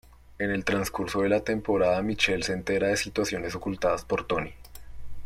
En el transcurso de la temporada Michelle se entera de situaciones ocultadas por Tony.